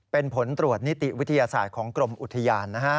เป็นผลตรวจนิติวิทยาศาสตร์ของกรมอุทยาน